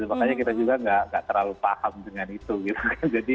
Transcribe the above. makanya kita juga nggak terlalu paham dengan itu gitu